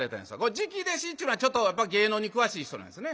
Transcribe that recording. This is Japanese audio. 「直弟子」ちゅうのはちょっとやっぱ芸能に詳しい人なんですね。